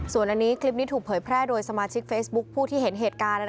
ส่วนอันนี้คลิปนี้ถูกเผยแพร่โดยสมาชิกเฟซบุ๊คผู้ที่เห็นเหตุการณ์